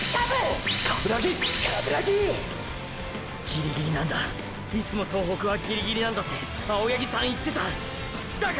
ギリギリなんだいつも総北はギリギリなんだって青八木さん言ってただから！！